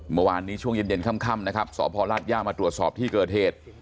เมื่อวานนี้ช่วงเย็นค่ำนะครับสพลาดย่ามาตรวจสอบที่เกิดเหตุ